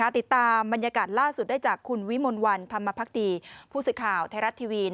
ติดตามบรรยากาศล่าสุดได้จากคุณวิมลวันธรรมพักดีผู้สื่อข่าวไทยรัฐทีวี